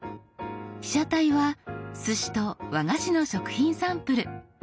被写体はすしと和菓子の食品サンプル。